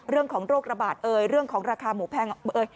เรื่องของโรคระบาดเรื่องของราคาหมูแพง